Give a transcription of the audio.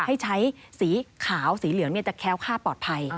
ให้ใช้สีขาวสีเหลืองจะแค้วค่าปลอดภัย